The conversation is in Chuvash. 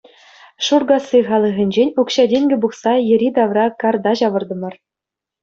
Шуркасси халӑхӗнчен укҫа-тенкӗ пухса йӗри-тавра карта ҫавӑртӑмӑр.